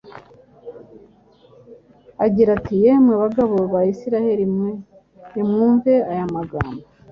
agira ati: ” Yemwe bagabo ba Isirayeli mwe, nimwumve aya magambo: